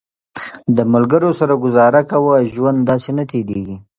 د ملګرو سره ګزاره کوه، ژوند داسې نه تېرېږي